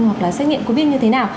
hoặc là xét nghiệm covid như thế nào